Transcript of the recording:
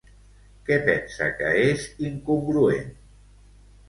Què pensa que és incongruent?